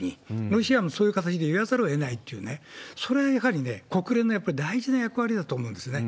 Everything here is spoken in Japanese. ロシアもそういう形で言わざるをえないというね、それはやはりに、国連の大事な役割だと思うんですね。